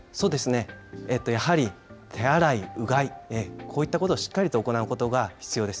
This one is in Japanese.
やはり手洗いうがい、こういったことをしっかりと行うことが必要です。